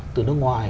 từ nước ngoài